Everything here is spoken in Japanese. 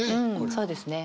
そうですね。